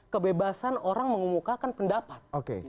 kebebasan orang mengumumkakan pendapat